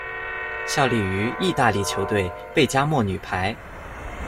效力于意大利球队贝加莫女排。